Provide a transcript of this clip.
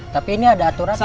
tapi ini ada aturan ya pak